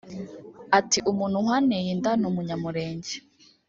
Ati ”Umuntu wanteye inda ni umunyamurenge